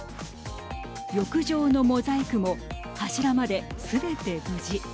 浴場のモザイクも柱まですべて無事。